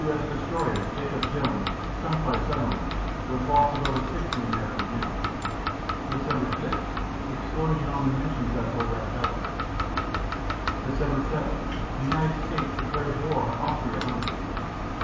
S. destroyer "Jacob Jones" sunk by submarine, with loss of over 60 American men._ Dec. 6 Explosion on munitions vessel wrecks Halifax. _Dec. 7 United States declares war on Austria Hungary.